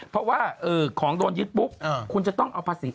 เพราะว่าของโดนยึดปุ๊บคุณจะต้องเอาภาษี